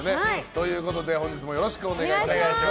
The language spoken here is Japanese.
ということで本日もよろしくお願いします。